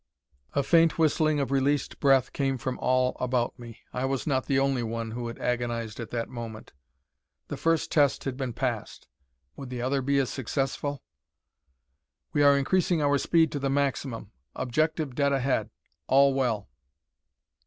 A faint whistling of released breath came from all about me. I was not the only one who had agonised at that moment. The first test had been passed; would the other be as successful? "We are increasing our speed to the maximum. Objective dead ahead. All well."